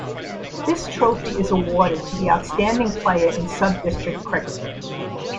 This trophy is awarded to the outstanding player in Sub-District cricket.